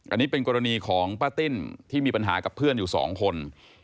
อันนี้เป็นกรณีของป้าติ้นที่มีปัญหากับเพื่อนอยู่สองคน